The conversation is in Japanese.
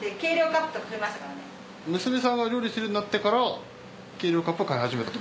娘さんが料理するようになってから計量カップを買い始めたと。